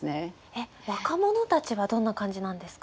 えっ若者たちはどんな感じなんですか？